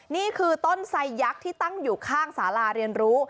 นี่คือต้นไซยักษ์ที่ตั้งอยู่ข้างสาราเรียนรู้